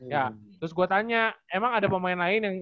ya terus gue tanya emang ada pemain lain yang